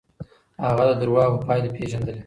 هغه د دروغو پايلې پېژندلې.